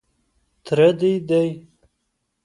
_تره دې دی.